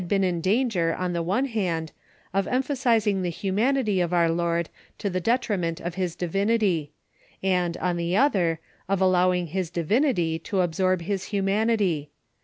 been in danger, on the one hand, of em phasizing the humanity of our Lord to the detriment of his divinity ; and, on the other, of allowing his divinity to absorb his humanity.